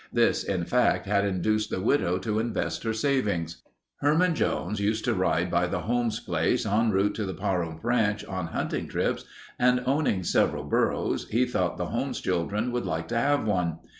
This in fact had induced the widow to invest her savings. Herman Jones used to ride by the Holmes' place en route to the Pahrump Ranch on hunting trips and owning several burros, he thought the Holmes' children would like to have one.